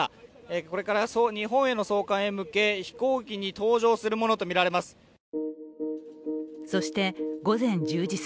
これから日本への送還へ向け、飛行機に搭乗するものとみられます。